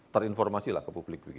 terinformasi ke publik